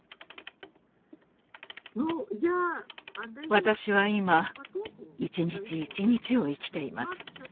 私は今一日一日を生きています。